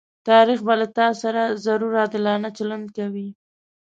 تاريخ به له تاسره ضرور عادلانه چلند کوي.